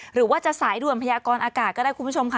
หรือว่าจะสายด่วนพยากรอากาศก็ได้คุณผู้ชมค่ะ